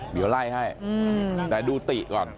เดี๋ยวไล่ให้แต่ดูติก่อน